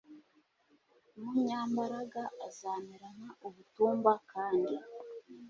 umunyambaraga azamera nk ubutumba kandi